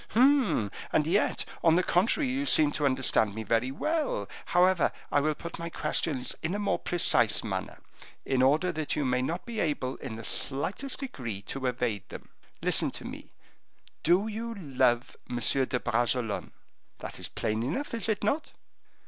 "Hum! and yet, on the contrary, you seem to understand me very well. However, I will put my questions in a more precise manner, in order that you may not be able, in the slightest degree, to evade them. Listen to me: Do you love M. de Bragelonne? That is plain enough, is it not?"